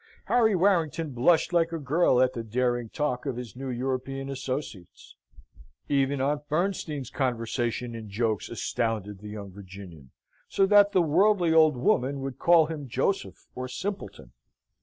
Harry Warrington blushed like a girl at the daring talk of his new European associates: even Aunt Bernstein's conversation and jokes astounded the young Virginian, so that the worldly old woman would call him Joseph, or simpleton.